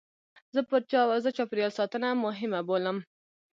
زه چاپېریال ساتنه مهمه بولم.